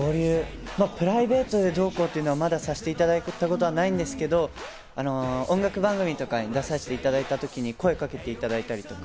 プライベートでどうこうというのは、まださせていただいたことはないんですけど音楽番組とかで出させていただいた時に声をかけていただいたりとか。